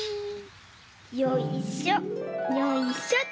よいしょよいしょ。